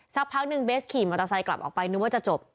สักพักหนึ่งเบสขี่มอเตอร์ไซค์กลับออกไปนึกว่าจะจบ